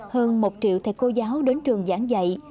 hơn một triệu thầy cô giáo đến trường giảng dạy